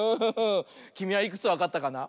きみはいくつわかったかな？